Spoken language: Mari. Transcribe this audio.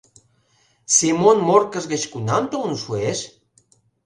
Семон Моркыж гыч кунам толын шуэш?